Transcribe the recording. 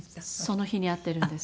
その日に会ってるんです。